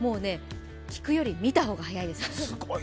聞くより見た方が早いです。